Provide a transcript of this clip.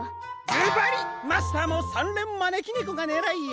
ずばりマスターもさんれんまねきねこがねらいやな？